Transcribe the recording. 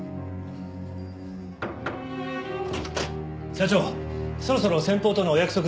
社長そろそろ先方とのお約束の時間ですが。